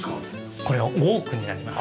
これはオークになります。